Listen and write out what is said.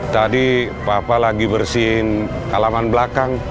tadi papa lagi bersihin halaman belakang